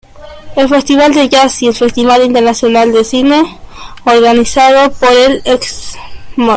El Festival de Jazz y el Festival Internacional de Cine, organizado por el Excmo.